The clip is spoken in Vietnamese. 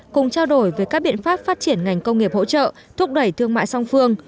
cùng trao đổi về các biện pháp phát triển ngành công nghiệp hỗ trợ thúc đẩy thương mại song phương